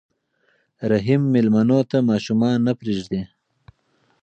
رحیم مېلمنو ته ماشومان نه پرېږدي.